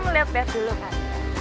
lihat lihat dulu kan